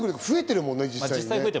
増えてるもんね実際。